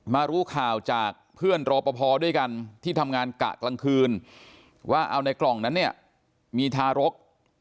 รู้ข่าวจากเพื่อนรอปภด้วยกันที่ทำงานกะกลางคืนว่าเอาในกล่องนั้นเนี่ยมีทารก